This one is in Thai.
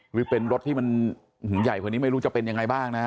หรือเป็นรถที่มันใหญ่กว่านี้ไม่รู้จะเป็นยังไงบ้างนะฮะ